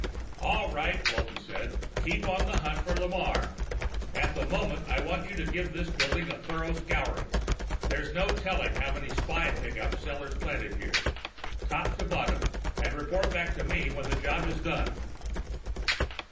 "All right," Walton said. "Keep on the hunt for Lamarre. At the moment I want you to give this building a thorough scouring. There's no telling how many spy pickups Sellors planted here. Top to bottom, and report back to me when the job is done."